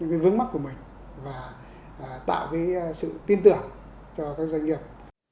những cái vướng mắc của mình và tạo cái sự tin tưởng cho các doanh nghiệp